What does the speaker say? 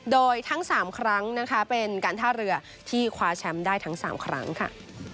โดยทั้ง๓ครั้งนะคะเป็นการท่าเรือที่คว้าแชมป์ได้ทั้ง๓ครั้งค่ะ